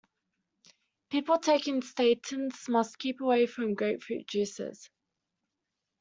People taking statins must keep away from grapefruit juices.